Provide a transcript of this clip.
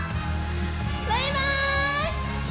バイバーイ！